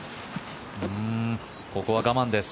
ここは我慢です。